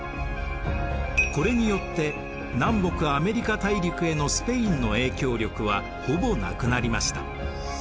これによって南北アメリカ大陸へのスペインの影響力はほぼなくなりました。